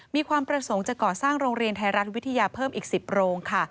มีความประสงค์จะก่อสร้างโรงเรียนไทยรัฐวิทยาเพิ่มอีก๑๐โรงค่ะ